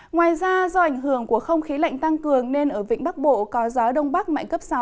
ngoài ra do ảnh hưởng của không khí lạnh tăng cường nên ở vĩnh bắc bộ có gió đông bắc mạnh cấp sáu